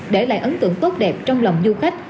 để lại ấn tượng tốt đẹp trong lòng du khách